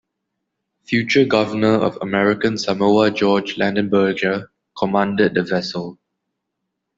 Future Governor of American Samoa George Landenberger commanded the vessel.